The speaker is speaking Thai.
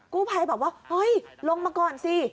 กู้ภัยบอกว่าเฮ้ยลงมาก่อนสิ